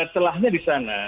telahnya di sana